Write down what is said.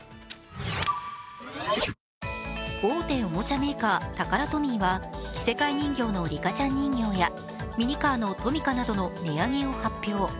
大手おもちゃメーカータカラトミーは着せ替え人形のリカちゃん人形やミニカーのトミカなどの値上げを発表。